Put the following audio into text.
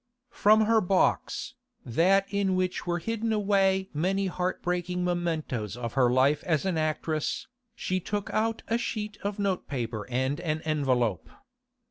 From her box, that in which were hidden away many heart breaking mementoes of her life as an actress, she took out a sheet of note paper and an envelope.